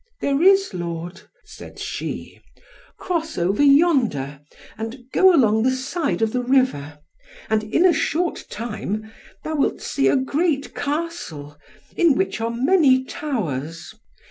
"There is, lord," said she; "cross over yonder, and go along the side of the river, and in a short time, thou wilt see a great Castle, in which are many towers.